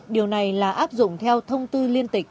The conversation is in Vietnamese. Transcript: điều này là áp dụng theo thông tư liên tịch